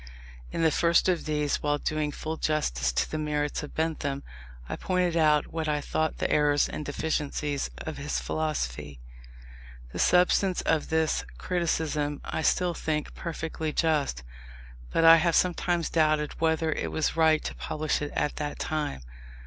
In the first of these, while doing full justice to the merits of Bentham, I pointed out what I thought the errors and deficiencies of his philosophy. The substance of this criticism I still think perfectly just; but I have sometimes doubted whether it was right to publish it at that time.